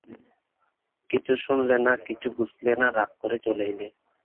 কিছু শুনলে না, কিছু বুঝলে না, রাগ করে চলে এলে।